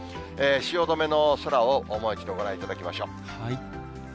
汐留の空をもう一度ご覧いただきましょう。